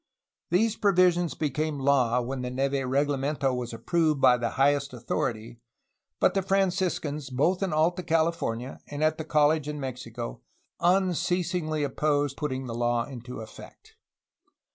These provisions became law when the Neve reglamento was approved by the highest authority, but the Franciscans, both in Alta California and at the college in Mexico, unceasingly opposed putting the law into effect.